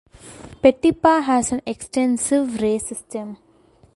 Petipa has an extensive ray system.